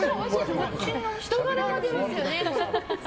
人柄が出ますよね。